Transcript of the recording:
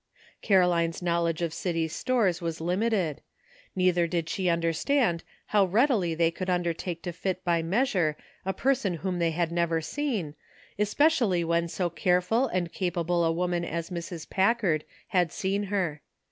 Caroline's knowledge of city stores was lim ited. Neither did she understand how readily they would undertake to fit by measure a per son whom they had never seen, especially when so careful and capable a woman as Mrs. Pack ard had seen her.